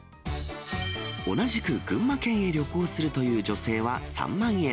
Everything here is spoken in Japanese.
同じく群馬県へ旅行するという女性は３万円。